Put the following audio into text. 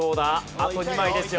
あと２枚ですよ。